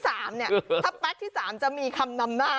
ถ้าใบ๊คที่๓จะมีชีวิตทำนำหน้า